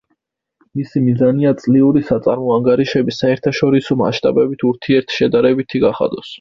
მისი მიზანია წლიური საწარმო ანგარიშები საერთაშორისო მასშტაბებით ურთიერთ შედარებითი გახადოს.